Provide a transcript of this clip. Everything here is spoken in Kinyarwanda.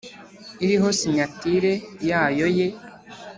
iriho sinyatire yayo ye